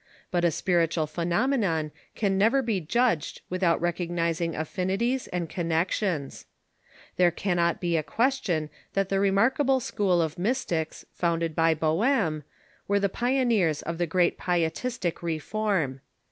But a spiritual phenomenon can never be judged without recognizing affinities and Influence of connections. There cannot be a question that the the New remarkable school of Mystics, founded by Boehme, ys ici m ^gj.g ^YiQ pioneers of the great Pietistic reform.